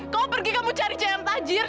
kamu pergi kamu cari cm tajir